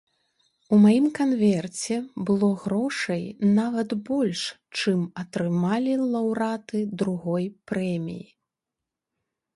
У маім канверце было грошай нават больш, чым атрымалі лаўрэаты другой прэміі!